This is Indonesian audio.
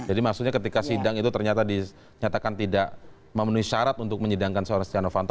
jadi maksudnya ketika sidang itu ternyata dinyatakan tidak memenuhi syarat untuk menyidangkan seorang setia novanto